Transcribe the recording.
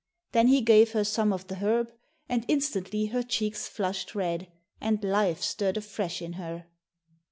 Then he gave her some of the herb, and instantly her cheeks flushed red, and life stirred afresh in her.